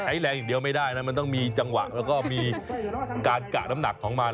แรงอย่างเดียวไม่ได้นะมันต้องมีจังหวะแล้วก็มีการกะน้ำหนักของมัน